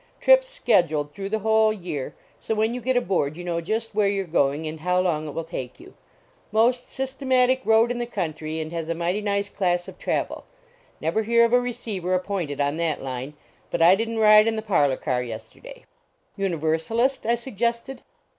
Trips scheduled through the whole year, so when you get aboard you know just where you re going and how long it will take you. Most cmatic road in the country and has a mighty nice class of travel. Never hear of a i\ ceiver appointed on that line. But I didn t ride in the parlor car yesterday." " Universalist? " I suggested.